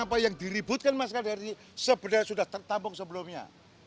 apa yang diributkan mas kadar ini sebenarnya sudah tertampung sebelumnya